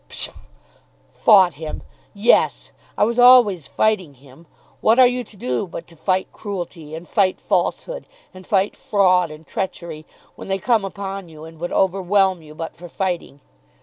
"Psha; fought him! Yes; I was always fighting him. What are you to do but to fight cruelty, and fight falsehood, and fight fraud and treachery, when they come upon you and would overwhelm you but for fighting?